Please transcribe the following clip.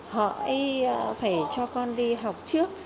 họ ấy phải cho con đi học trước